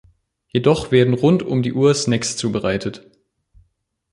Jedoch werden rund um die Uhr Snacks zubereitet.